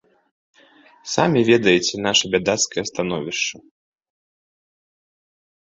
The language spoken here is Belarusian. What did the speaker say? Самі ведаеце наша бядацкае становішча.